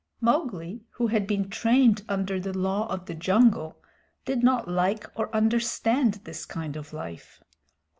Mowgli, who had been trained under the Law of the Jungle, did not like or understand this kind of life.